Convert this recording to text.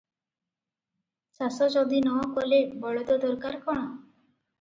ଚାଷ ଯଦି ନ କଲେ ବଳଦ ଦରକାର କଣ?